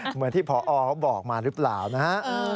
เหมือนที่พอเขาบอกมาหรือเปล่านะฮะ